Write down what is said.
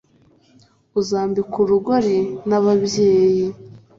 uzambikwa urugoli n’ababyeyi